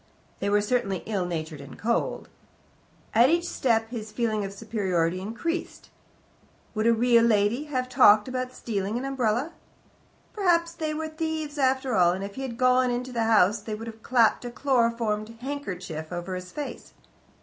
They were certainly ill natured and cold. At each step his feeling of superiority increased. Would a real lady have talked about stealing an umbrella? Perhaps they were thieves after all, and if he had gone into the house they could have clapped a chloroformed handkerchief over his face.